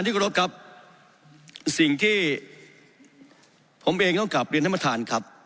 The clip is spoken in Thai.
การที่กรบกับสิ่งที่ผมเองต้องกลับเรียนธรรมฐานครับ